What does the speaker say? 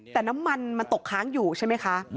แต่น้ำมันมันตกค้างอยู่ใช่ไหมคะ